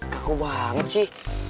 kaku banget sih